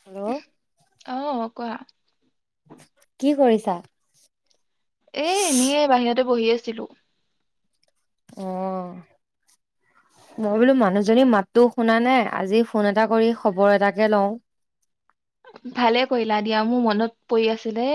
Hello. অঁ, কোৱা? কি কৰিছা? এ এনেয়েই বাহিৰতে বহি আছিলোঁ। অ', মই বোলো মানুহজনী মাতটো শুনা নাই, আজি ফোন এটা কৰি খবৰ এটাকে লওঁ। ভালে কৰিলা দিয়া, মোৰ মনত পৰি আছিলে।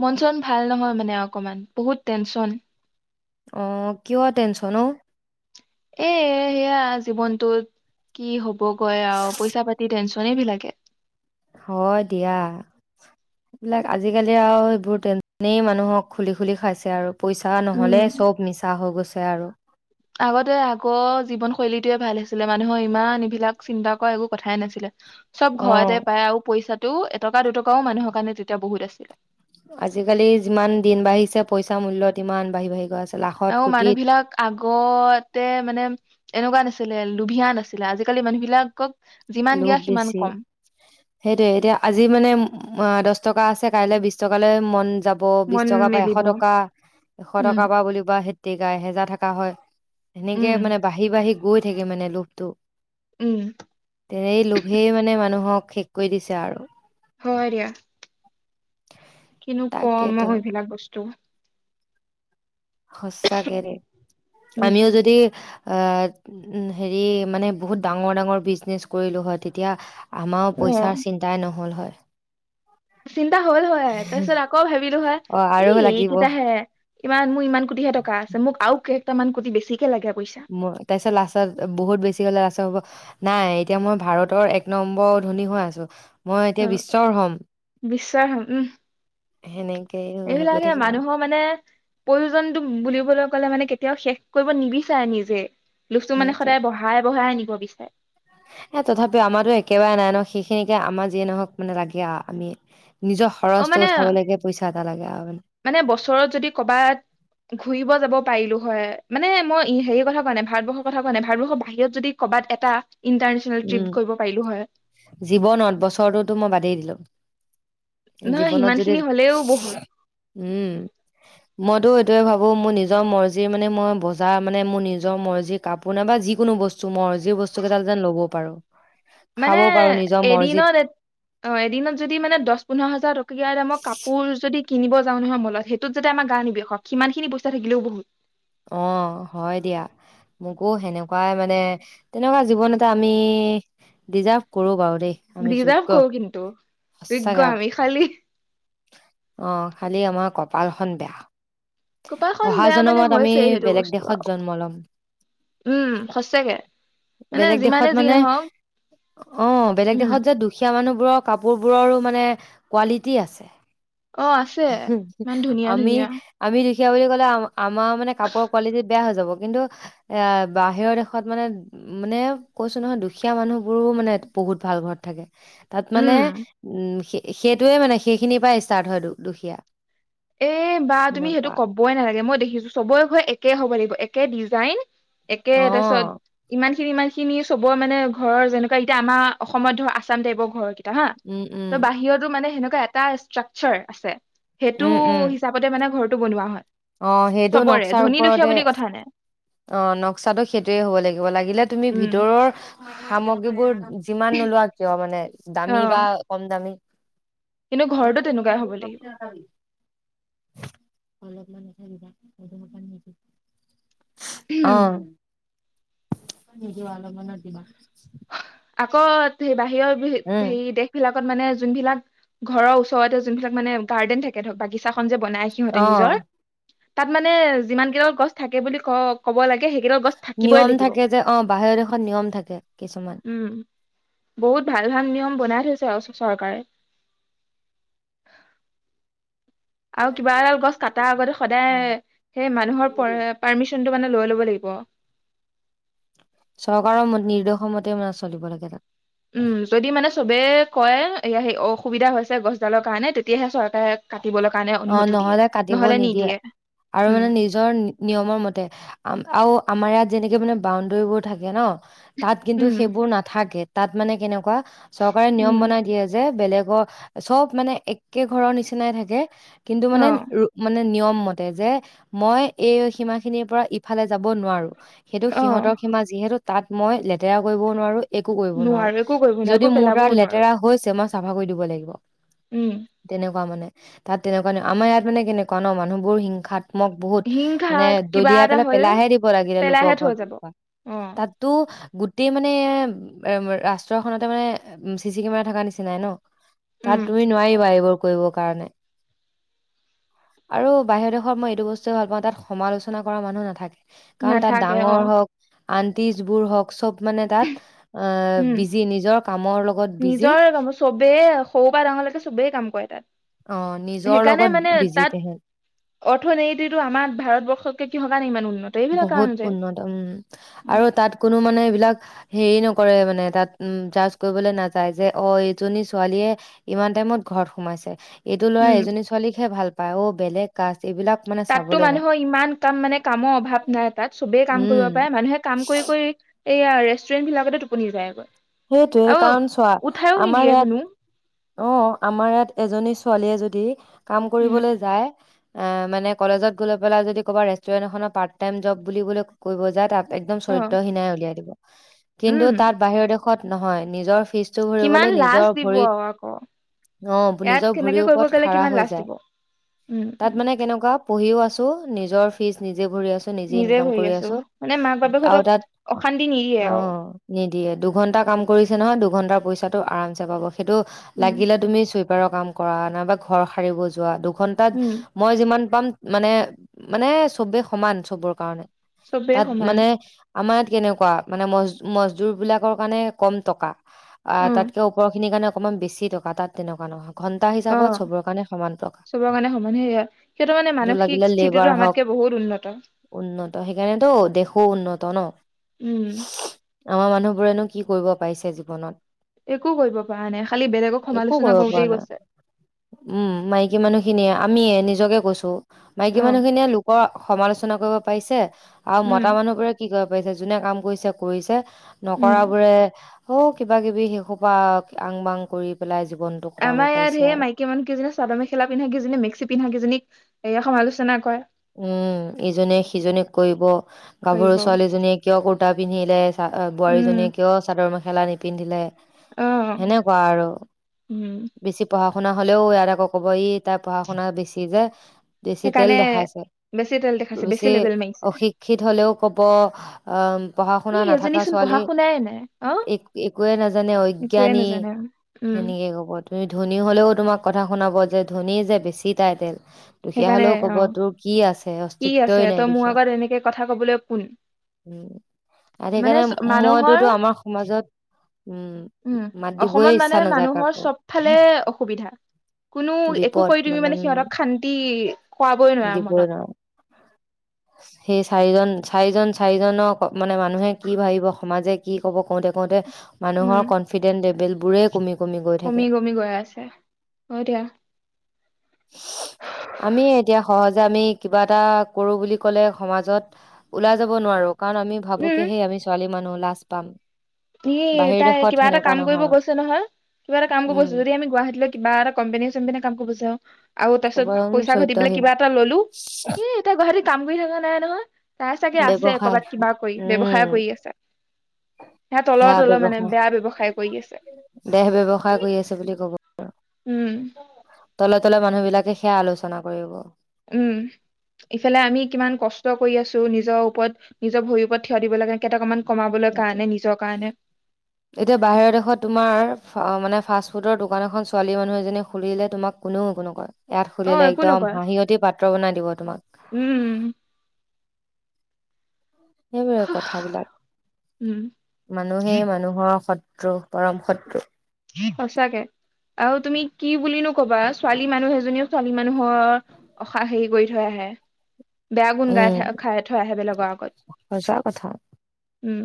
মন- চন ভাল নহয় মানে অকমান বহুত টেনচন। অঁ, কিয় টেনচন অওঁ? এ সেয়া জীৱনটোত কি হবগৈ আৰু পইছা পাতি টেনচনে এই বিলাকে। হয় দিয়া এইবিলাক আজিকালি আও সেইবোৰ তেনেই মানুহক খুলি খুলি খাইছে আৰু পইচা নহ'লে উম চব মিছা হৈ গৈছে আৰু আগতে আগৰ জীৱন শৈলীটোৱে ভাল আছিলে মানুহৰ ইমান এইবিলাক চিন্তা কৰা একো কথাই নাছিলে। চব অ', ঘৰতে পায় আৰু পইচাটো এটকা দুটকাও মানুহৰ কাৰণে তেতিয়া বহুত আছিলে। আজিকালি যিমান দিন বাঢ়িছে পইচা মূল্য তিমান বাঢ়ি বাঢ়ি গৈ আছে। লাখত আৰু কোটিত মানুহবিলাক আগতে মানে এনেকুৱা নাছিলে, লুভিয়া নাছিলে আজিকালি মানুহ বিলাকক যিমান লোভ দিয়া সিমান বেছি কম সেইটোৱে এতিয়া আজি মানে দহ টকা আছে কাইলে বিচ টকালে মন যাব। আকৌ বিচ মন টকাৰ পৰা এশ মেলিব টকা এশ উম টকাৰ পৰা সেই তেৰিকা এহেজাৰ থাকা হয়। সেনেকে উম মানে বাঢ়ি বাঢ়ি গৈ থাকে মানে লোভটো। উম সেই লোভেই মানে মানুহক শেষ কৰি দিছে আৰু হয় দিয়া কিনো কম তাকেতো মই এইবিলাক বস্তু সচাকে দেই উম আমিও যদি আহ উ হেৰি মানে বহুত ডাঙৰ, ডাঙৰ বিজনেছ কৰিলো হয় তেতিয়া আমাৰ অ পইচাৰ চিন্তাই নহ'ল হয়। চিন্তা হ'ল হয়, তাৰপিছত আকৌ ভাবিলো হয় অ আৰু ই লাগিব এইকেইটাহে ইমান মোৰ ইমান কোটিহে টকা আছে, মোক আৰু কেইটাকামান কোটি বেছিকে লাগে পইচা। মই তাৰ পিছত লাষ্টত বহুত বেছি হলে লাষ্টত কব। নাই এতিয়া মই ভাৰতৰ এক নম্বৰ ধনী হৈ আছো মই এতিয়া অ বিশ্বৰ হম বিশ্বৰ উম সেনেকেই। এইবিলাকে মানুহক। মানে প্ৰয়োজনটো বুলিবলৈ কলে মানে কেতিয়াও শেষ কৰিব নিবিচাৰে নিজে। লোভটো মানে সেইটোৱে সদায় বঢ়াই বঢ়াই নিব বিচাৰে এ তথাপিও আমাৰো একেবাৰে নাই ন সেইখিনিকে আমাৰ যিয়ে নহওক মানে লাগে আও আমি নিজৰ। অ খৰচটো মানে উঠাবলৈকে পইচা এটা লাগে আৰু মানে মানে বছৰত যদি কৰবাত ঘূৰিব যাব পাৰিলো হয়, মানে মই হেৰি কথা কোৱা নাই ভাৰতবৰ্ষৰ কথা কোৱা নাই ভাৰতবৰ্ষৰ বাহিৰত যদি কৰবাত এটা ইন্টাৰনেচনেল উম ট্ৰিপ কৰিব পাৰিলো হয়। জীৱনত বছৰটোতো মই বাদেই দিলো। নহয় জীৱনত সিমান যদি খিনি হলেও বহুত উম। মইতো এইটোয়ে ভাবো মোৰ নিজৰ মৰ্জি মানে মই বজাৰ মানে মোৰ নিজৰ মৰ্জি। কাপোৰ নাইবা যিকোনো বস্তু মই যি বস্তু কেইটা যেন ল'ব পাৰো। মানে এদিনত এ অ এদিনত যদি মানে দহ পোন্ধৰ হাজাৰ টকীয়া দামৰ কাপোৰ যদি। কিনিব যাওঁ নহয় মলত সেইটোত যাতে আমাৰ গা নিবিশক সিমানখিনি পইচা থাকিলেও বহুত। অ হয় দিয়া। মোকো সেনেকুৱাই মানে তেনেকুৱা জীৱন এটা আমি ডিজাৰ্ভ কৰো বাৰু দেই। আমি যোগ্য ডিজাৰ্ভ কৰো কিন্তু সঁচাকে যোগ্য আমি খালি অ খালি আমাৰ কপালখন বেয়া। কপালখন অহা বেয়া মানে জনমত আমি হৈছে সেইটো বেলেগ বস্তু দেশত আৰু জন্ম ল'ম উম সচাকে মানে বেলেগ দেশত যিমানে যি মানে নহওক। অ'! বেলেগ উম দেশত যে দু খীয়া মানুহবোৰৰ কাপোৰবোৰৰো মানে, কোৱালিটি আছে। অ আছে হোঁ, হোঁ! ইমান ধুনীয়া আমি, ধুনীয়া আমি দুখীয়া বুলি ক'লে, আ- আমাৰ মানে, কাপোৰ কোৱালিটি বেয়া হৈ যাব। কিন্তু, এ, বাহিৰৰ দেশত মানে, মানে, কৈছোঁ নহয়! দুখীয়া মানুহবোৰো মানে, বহুত ভাল ঘৰত থাকে। তাত মানে, উম উম, সেই-সেইটোৱে মানে, সেইখিনিৰ পৰা ষ্টাৰ্ট হয়, দু-দুখীয়া। এ, বা তুমি সেইটো ক'বই নালাগে! মই দেখিছোঁ, চবৰে ঘৰ একে হ'ব লাগিব, একে ডিজাইন। একে, অ তাৰপিছত ইমান খিনি-ইমান খিনি চবৰ মানে, ঘৰৰ যেনেকুৱা এতিয়া, আমাৰ অসমত ধৰ, আছাম টাইপৰ ঘৰ। ত' হা। উম উম ত' বাহিৰতো মানে, সেনেকুৱা এটা ষ্ট্ৰাক্সাৰ আছে। সেইটো উম, উম। হিচাপতে মানে, ঘৰটো বনোৱা হয়। অ সেইটো চবৰে, নক্সাৰ ধনী- দুখীয়া ওপৰতে বুলি কথা নাই। অ'! নক্সাটো সেইটোৱে হ'ব লাগিব। লাগিলে তুমি, উম ভিতৰৰ সামগ্ৰীবোৰ যিমান নোলোৱা কিয় মানে, দামী বা কম দামী। ঘৰটো তেনেকুৱাই হ'ব লাগিব। [unintelligible] অ'! [unintelligible] দিবা। আকৌ, সেই, বাহিৰ বি, উম সেৰি দেশ বিলাকত মানে, যোনবিলাক ঘৰৰ ওচৰতে, যোনবিলাক মানে, গাৰ্ডেন থাকে, ধৰক বাগি চাখন যে বনাই, সিহঁতে অ নিজৰ। তাত মানে, যিমান কেইডাল গছ থাকে বুলি ক- ক'ব লাগে, সেইকেইডাল গছ থাকিবই নিয়ম লাগিব থাকে যে, অ'! বাহিৰ দেশত নিয়ম থাকে, কিছুমান। উম, বহুত ভাল-ভাল নিয়ম বনাই থৈছে আৰু চৰকাৰে। আৰু কিবা এডাল গছ কটাৰ আগতে অ। সদায়, সেই মানুহৰ [unintelligible] পাৰ্মিশ্চনটো মানে, লৈ ল'ব লাগিব। চৰকাৰৰ নিৰ্দেশৰ মতে, মানে চলিব লাগে তাত। উম, যদি মানে, চবে কয়! এইয়া, সেই অসুবিধা হৈছে গছডালৰ কাৰণে। তেতিয়াহে, চৰকাৰে কাটিবলৈ কাৰণে, অ অনুমতি দিয়ে, নহ'লে কাটিব নহ'লে নিদিয়ে। আৰু উম! মানে নিজৰ নিয়মৰ মতে। আৰু আমাৰ ইয়াত, যেনেকে মানে, বাউণ্ডেৰীবোৰ থাকে ন'। তাত কিন্তু, উম, সেইবোৰ নাথাকে। তাত মানে, কেনেকুৱা! চৰকাৰে উম, নিয়ম বনাই দিয়ে যে বেলেগৰ, চব মানে, একে ঘৰৰ নিচিনাই থাকে। কিন্তু মানে, অ', মানে, নিয়ম মতে। যে, মই এই সীমা খিনিৰ পৰা, ইফালে যাব নোৱাৰোঁ। সেইটো অ', সিহঁতৰ সীমা। যিহেতু তাত মই, লেতেৰা কৰিবও নোৱাৰোঁ, একো কৰিব নোৱাৰোঁ। নোৱাৰো একো কৰিব নোৱাৰো যদি একো মোৰ দ্বাৰা পেলাবও নোৱাৰো লেতেৰা হৈছে, [unintelligible] চাফা কৰি দিব লাগিব, উম, তেনেকুৱা মানে। তাত তেনেকুৱা, আমাৰ ইয়াত মানে, কেনেকুৱা ন' মানুহবোৰ হিংসাত মোক বহুত, মানে হিংসাত কিবা দলিয়াই এটা পেলাই, হ'ল পেলাইহে দিব লাগিলে, লোকৰ পেলাইহে থৈ ঘৰত। যাব [unintelligible] অ', তা তো গোটেই মানে, এ, ৰাষ্ট্ৰ এখনতে মানে, চিচি কেমেৰা থকা নিচিনাই ন'। উম, তাত তুমি, নোৱাৰিবা এইবোৰ কৰিবৰ কাৰণে। আৰু বাহিৰৰ দেশত মই, এইটো বস্তুৱে ভাল পাওঁ! তাত সমালোচনা কৰা মানুহ নাথাকে। কাৰণ, তাত নাথাকে ডাঙৰ অ', হওঁক, আন্টিছবোৰ হওঁক, চব মানে, তাত আঁ উম, বিজি, নিজৰ কামৰ লগত বিজি। নিজৰ কাম চবেই সৰু পৰা ডাঙৰলৈকে চবেই কাম কৰে তাত। অ নিজৰ সেইকাৰণে মানে লগত বিজি তাত তেহেত। অৰ্থনীতিটো আমাৰ ভাৰতবৰ্ষতকে কিহৰ কাৰণে ইমান উন্নত। এইবিলাক বহুত কাৰণতে উন্নত উম আৰু তাত কোনো মানে এইবিলাক। হেৰি নকৰে মানে তাত যাজ কৰিবলৈ নাযায় যে অ এইজনী ছোৱালীয়ে। ইমান টাইমত ঘৰত সোমাইছে এইটো ল'ৰা উম, এজনী ছোৱালীকহে ভাল পায় অ বেলেগ কাষ্ট এইবিলাক। মানে তাততো চাবলৈ নাই মানুহৰ ইমান কাম মানে কামৰ অভাৱ, নাই তাত চবেই কাম কৰিব উম পাৰে, মানুহে কাম কৰি কৰি। এইয়া ৰেষ্টুৰেণ্ট বিলাকতে টোপনি যায়গৈ। সেইটোৱে আৰু কাৰণ চোৱা উঠাইও আমাৰ নিদিয়ে ইয়াত, কোনো অ আমাৰ ইয়াত এজনী ছোৱালীয়ে যদি কাম উম কৰিবলৈ যায়। অ মানে কলেজত গৈ পেলাই যদি ক'বা ৰেষ্টুৰেন্ট এখনত পাৰ্ট টাইম জব বুলি কৰিবলৈ যায় তাত, একদম অ চৰিত্ৰহীনাই উলিয়াই দিব। কিন্তু উম তাত বাহিৰৰ দেশত নহয় নিজৰ ফীজটো কিমান ভৰিবলৈ লাজ নিজৰ দিব ভৰিত। আৰু আকৌ অ ইয়াত নিজৰ কেনেকে ভৰিৰ কৰিব ওপৰত গ'লে থিয় কিমান হৈ লাজ যায়। দিব উম তাত উম মানে কেনেকুৱা, পঢ়িও আছো নিজৰ ফিজ নিজে ভৰি আছো। নিজে ইনকাম ভৰি কৰি আছো মানে মাক আৰু বাপেকহঁতক তাত অশান্তি নিদিয়ে অ, আৰু নিদিয়ে দুঘন্টা কাম কৰিছে নহয় দুঘন্টাৰ পইচাটো আৰামছে পাব সেইটো উম লাগিলে তুমি চুইপ চুইপাৰৰ কাম কৰা নাইবা ঘৰ সাৰিব যোৱা দুঘন্টাত, উম মই যিমান পাম মানে চবেই সমান চবৰ কাৰণে। চবেই তাত সমান মানে আমাৰ ইয়াত কেনেকুৱা মানে মজদুৰ বিলাকৰ কাৰণে কম টকা, উম তাতকৈ ওপৰৰ খিনিৰ কাৰণে অকনমান বেছি টকা তাত তেনেকুৱা নহয়। ঘন্টা হিচাপত অ', চবৰ কাৰণে সমান টকা চবৰ কাৰণে সমান সে হয় সেইটো মানে যোৰ লাগিলে মানসিক লেবাৰ স্থিতিটো হওক আমাত কে বহুত উন্নত। উন্নত সেইকাৰণেতো দেশো উন্নত ন। উম। আমাৰ মানুহবোৰে নো কি কৰিব পাৰিচে জীৱনত। একো কৰিব পৰা নাই খালি বেলেগক একো সমালোচনা কৰিব পৰা কৰোতেই নাই গৈছে। উম মাইকী মানুহখিনিয়ে আমিয়ে নিজকে কৈছো মাইকী অ মানুহখিনিয়ে লোকৰ, সমালোচনা কৰিব পাৰিছে আৰু উম মতা মানুহ বোৰে কি কৰিব পাৰিছে যোনে কাম কৰিছে কৰিছে। উম নকৰাবোৰে হ কিবা কিবি সেশুপা আং বাং কৰি পেলাই জীৱন, আমাৰ ইয়াত ধেই মাইকী। কি মান কিজনী চাদৰ মেখেলা পিন্ধা কেইজনী মিক্সি পিন্ধািজনীক সমালোচনা কৰে। উম ইজনে সিজনিক কৰিব। গাভৰু কৰিব ছোৱালীজনীয়ে কিয় কুৰ্তা পিন্ধিলে চ বোৱাৰীজনীয়ে উম কিয় চাদৰ মেখেলা, মেখেলা নিপিন্ধিলে অ সেনেকুৱা আৰু। উম বেছি পঢ়া শুনা হলেও ইয়াৰ আকৌ কব ই তাৰ পঢ়া শুনা বেছি যে বেছি তেল সেইকাৰণে দেখাইছে। বেছি তেল দেখাইছে বেছি লেবেল মাৰিছে অশিক্ষিত হলেও কব অ, ই পঢ়া-শুনা নথকা সেইজনীচোন ছোৱালী পঢ়া শুনাই নাই অ এক একোৱেই নাজানে একোৱে অজ্ঞানী। নাজানে উম সেনেকে ক'বতো। তুমি ধোনী হ'লেও তোমাক কথা শুনাব যে ধোনী যে বেছি টাই তেল দুখীয়া সেইকাৰণে হ'লেও ক'ব অ তোৰ, কি আছে কি আছে অস্তিত্বই নাই তই মোৰ দুখীয়া আগত এনেকে কথা কবলৈ কোন। উম তাত মানে সেইকাৰণে মানুহৰ, মইতোতো আমাৰ সমাজত উম উম মাত দিবই অসমত মানে ইচ্ছা নাযায় মানুহৰ কাকো চবফালে অসুবিধা। কোনো একো বিপদ কৰি দিবি মানে উম সিহঁতক তুমি মানে শান্তি, খুৱাবই নোৱাৰা দিবই মনত নোৱাৰোঁ। সেই চাৰিজন চাৰিজন চাৰিজননৰ মানে মানুহে কি ভাবিব সমাজে কি ক'ব কওঁতে কওঁতে উম মানুহৰ কনফিডেন্ট লেভেলবোৰে কমি কমি গৈ কমি থাকে কমি গৈ আছে হয় দিয়া। আমি এতিয়া সহজে আমি কিবা এটা কৰোঁ বুলি ক'লে সমাজত ওলাই যাব নোৱাৰোঁ। কাৰণ আমি ভাবো কে উম সেই আমি ছোৱালী মানুহ লাজ পাম। ই বাহিৰ তাই দেশত কিবা এটা সেনেকুৱা কাম কৰিব নহয় গৈছে নহয়, কিবা এটা কাম কৰিব উম গৈছে। যদি আমি গুৱাহাটীলৈ কিবা এটা কম্পেনী চোম্পেনী কাম কৰিব যাওঁ, আৰু কব তাৰপিছত পইচা ঘটি পেলাই চৰিত্ৰহীন কিব এটা ল'লো ই এতিয়া গুৱাহাটীত কাম কৰি থকা নাই নহয়, তাই চাগে আছে ব্যৱসায় ক'বাত কিবা কৰি ব্যৱসায় উম কৰি আছে। ই তলৰ সেয়া তলৰ মানে ব্যৱসায় বেয়া ব্যৱসায় কৰি আছে। দেহ ব্যেৱসায় কৰি আছে বুলি ক'ব, উম তলে তলে মানুহ বিলাক সেইয়া আলোচনা কৰিব। উম। ইফালে আমি কিমান কষ্ট কৰি আছো, নিজৰ ওপৰত নিজৰ ভৰিৰ ওপৰত থিয় দিব লাগে। কেইটকামান কমাবলৈ সেইটোৱে কাৰণে নিজৰ কাৰণে। এতিয়া বাহিৰৰ দেশত তোমাৰ মানে ফাষ্ট ফুডৰ দোকান এখন ছোৱালী মানুহ এজনী খুলিলে তোমাক কোনও একো নকয়, ইয়াত অ খুলিলে একো একদম নকয় হাঁহিয়তি পাত্ৰ বনাই দিব তোমাক। উম। সেইবোৰে কথাবিলাক। উম মানুহেই মানুহৰ শত্ৰু পৰম শত্ৰু। সঁচাকে, আৰু তুমি কি বুলি নো ক'বা ছোৱালী মানুহ এজনীও ছোৱালী মানুহৰ অসাহ হেৰি কৰি থৈ আহে। বেয়া গুণ গাই উম থ খাই থৈ আহে বেলেগৰ আগত সঁচা কথা উম।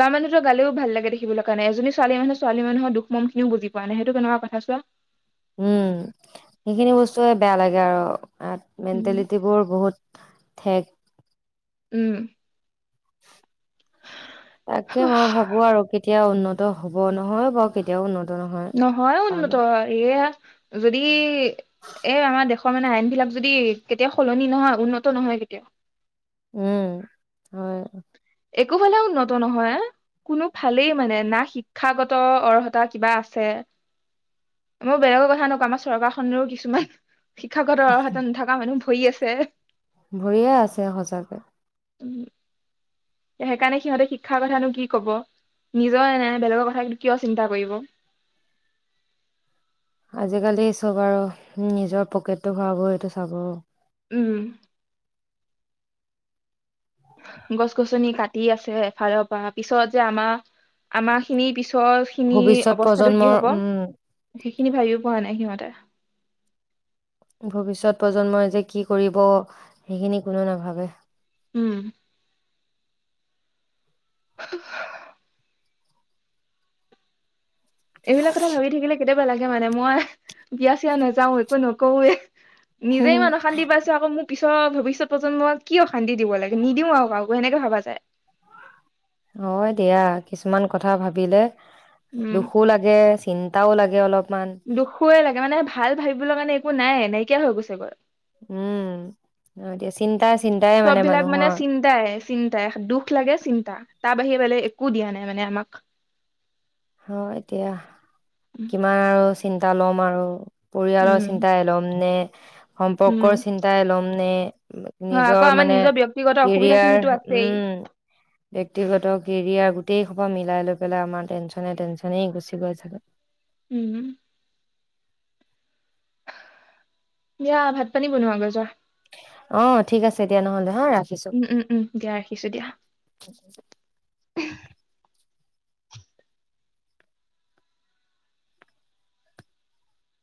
ল'ৰা মানুহটোৰ গালিও ভাল লাগে দেখিবলৈ, কাৰণ এজনী ছোৱালী মানুহ ছোৱালী মানুহৰ দুখ মন খিনিও বুজি পোৱা নাই সেইটো কেনেকা কথা চোৱা? উম, সেইখিনি বস্তুৱে বেয়া লাগে আৰু উম মেণ্টেলিটিবোৰ ই বহুত ঠেক। উম। তাকে মই ভাবো আৰু কেতিয়া উন্নত হ'ব, নহয় বাৰু বেয়া তিয়াও উন্নত নহয়। কাৰণ এইয়া যদি এই আমাৰ দেশৰ মানে আইন বিলাক যদি কেতিয়াও সলনি নহয়, উন্নত নহয় কেতিয়াওঁ। উম, হয়। একোফালে উন্নত নহয়। কোনো ফালেই মানে, না শিক্ষাগত অৰ্হতা কিবা আছে মই বেলেগৰ কথা নকওঁ আমাৰ চৰকাৰখনেও কিছুমান শিক্ষাগত অৰ্হতা নথকা মানুহ ভৰি আছে। ভৰিয়ে আছে সঁচাকৈ। উম। সেইকাৰণে সিহঁতে শিক্ষা কথানো কি ক'ব? নিজৰে নাই বেলেগৰ কথা কিয় চিন্তা কৰিব? আজিকালি চব আৰু নিজৰ পকেটটো ভৰাবইটো চাব। উম। গছ গছনি কাটি আছে এফালৰ পৰা, পিছত যে আমাৰ আমাৰ খিনি পিছৰ খিনিৰ ভৱিষ্যত অৱস্থাতো কি প্ৰজন্মৰ হ'ব উম সেইখিনি ভাবিও পোৱা নাই সিহঁতে। ভৱিষ্যত প্ৰজন্মই যে কি কৰিব সেইখিনি কোনো নাভাবে উম [unintelligible] এইবিলাক কথা ভাবি থাকিলে কেতিয়াবা লাগে মানে মই বিয়া চিয়া নাযাও একো নকৰোৱে নিজেই [unintelligible] অশান্তি পাইছো আকৌ মোৰ পিছৰ ভৱিষ্যত প্ৰজন্মক কি অশান্তি দিব লাগে নিদিওঁ আৰু কাকো এনেকে ভাবা যায় অ দিয়া কিছুমান কথা ভাবিলে উম দুখো লাগে চি চিন্তা লাগে অলপমান দুখুৱে লাগে মানে ভাল ভাবিবলৈ কাৰণে একো নাই নাইকিয়া হৈ গৈছে গৈ উম এতিয়া চিন্তাই চিন্তাই চব মানে বিলাক মানুহৰ চিন্তাই চিন্তাই দুখ লাগে চিন্তা তাৰ বাহিৰে বেলেগ একো দিয়া নাই মানে আমাক অ এতিয়া কিমান আৰু চিন্তা লম আৰু পৰিয়ালৰ উম চিন্তাই ল'ম নে সম্পৰ্কৰ উম চিন্তাই ল'ম নে হয় আকৌ নিজৰ আমাৰ মানে নিজৰ ব্যক্তিগত অসুবিধা কেৰিয়াৰ খিনিতো আছেই উম ব্যক্তিগত কেৰিয়াৰ গোটেই সোপা মিলাই লৈ পেলাই আমাৰ টেনশ্যন টেনশ্যনেই গুচি গৈ চাগে উম দিয়া ভাত পানী বনোৱাগৈ যোৱা অ ঠিক আছে দিয়া নহ'লে হা ৰা উম উম উম দিয়া ৰাখিছোঁ দিয়া [unintelligible]